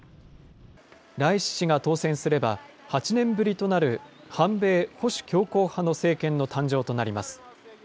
ライシ師が当選すれば、８年ぶりとなる反米・保守強硬派の政権の誕生となります。